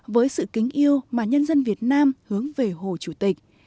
với sự kính yêu mà nhân dân việt nam hướng về hồ chủ tịch